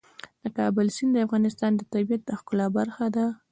د کابل سیند د افغانستان د طبیعت د ښکلا برخه ده.